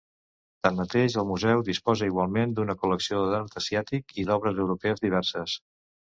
Tanmateix, el museu disposa igualment d'una col·lecció d'art asiàtic i d'obres europees diverses.